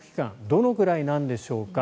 どのくらいなんでしょうか。